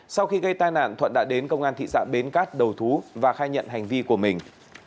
sau khi gây tai nạn thuận đã đến công an thị xã bến cát đầu thú và khai nhận hành vi của mình